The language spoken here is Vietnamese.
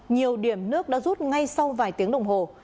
nhiều điểm nước đã rút ngay sau vài tiếng đồng hồ